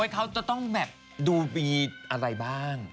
เขาจะต้องแบบดูมีอะไรบ้าง